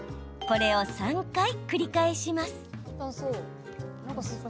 これを３回、繰り返します。